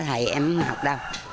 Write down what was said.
thầy em không học đâu